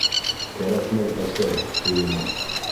— Кәрәкмәй, әсәй, суйының.